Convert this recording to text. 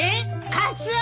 カツオ！